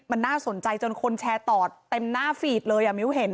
มันน่าสนใจจนคนแชร์ตอดเต็มหน้าฟีดเลย